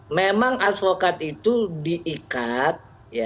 memang advokat itu diikat